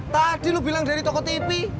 tadi lo bilang dari toko tv